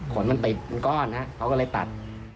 ขนมันติดมันก้อนฮะเขาก็เลยตัด